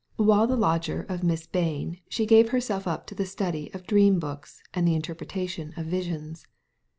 While the lodger of Miss Bain, she gave herself up to the study of dream books, and the interpretation of visions.